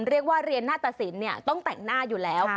เรียกว่าเรียนหน้าตสินต้องแต่งหน้าอยู่แล้ว